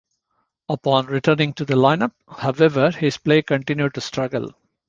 Upon returning to the lineup, however, his play continued to struggle.